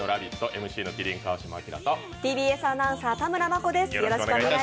ＭＣの川島明とＴＢＳアナウンサー・田村真子です。